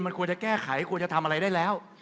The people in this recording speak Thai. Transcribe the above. มันควรจะแก้ไขควรจะทำอะไรได้แล้ว